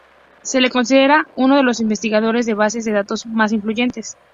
Se le considera uno de los investigadores de bases de datos más influyentes.